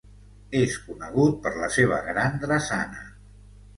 Es conegut per la seva gran drassana.